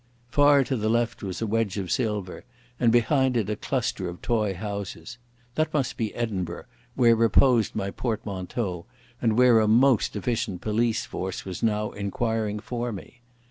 Far to the left was a wedge of silver and beside it a cluster of toy houses. That must be Edinburgh, where reposed my portmanteau, and where a most efficient police force was now inquiring for me.